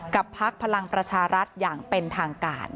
พักพลังประชารัฐอย่างเป็นทางการ